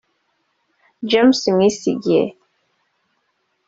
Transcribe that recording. James Mwesigye